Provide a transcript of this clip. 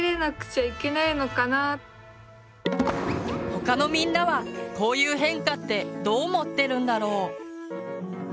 他のみんなはこういう変化ってどう思ってるんだろう？